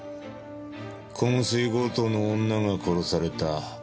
昏睡強盗の女が殺された。